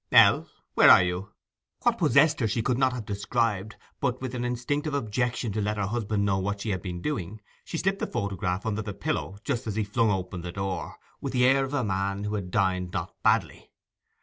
'Ell, where are you?' What possessed her she could not have described, but, with an instinctive objection to let her husband know what she had been doing, she slipped the photograph under the pillow just as he flung open the door, with the air of a man who had dined not badly.